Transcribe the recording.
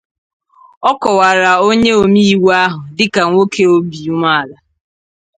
Ọ kọwàrà onye omeiwu ahụ dịka nwoke obi umeala